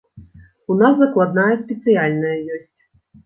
У нас закладная спецыяльная ёсць.